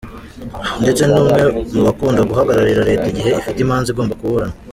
Ndetse ni umwe mu bakunda guhagararira leta igihe ifite imanza igomba kuburana.